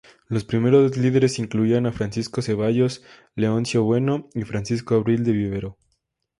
Los primeros líderes incluían a Francisco Zevallos, Leoncio Bueno y Francisco Abril de Vivero.